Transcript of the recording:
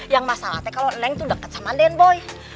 yang masalahnya kalau neng itu deket sama dan boy